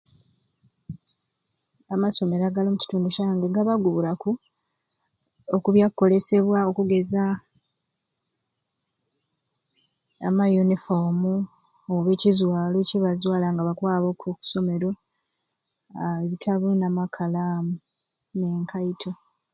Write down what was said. Amasomero agali omu kitundu kyange gabaguuraku oku byakukolesebwa okugeza amayunifoomu oba ekizwalo kyebazwala nga bakwaba oku ku somero aa ebitabo n'amakalaamu n'enkaito